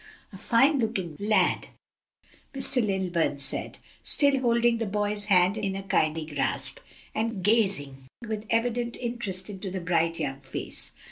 A fine looking lad," Mr. Lilburn said, still holding the boy's hand in a kindly grasp, and gazing with evident interest into the bright young face.